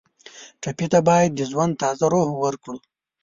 ټپي ته باید د ژوند تازه روح ورکړو.